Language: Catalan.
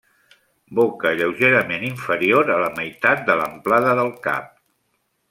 Boca lleugerament inferior a la meitat de l'amplada del cap.